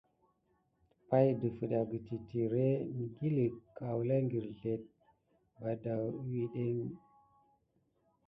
Pay ɗəfiŋ agəte titiré naku negəlke ikil kulan va kirzel adawuteki va.